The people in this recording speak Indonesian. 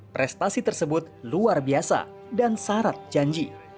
prestasi tersebut luar biasa dan syarat janji